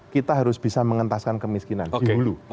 kita harus bisa mengentaskan kemiskinan di hulu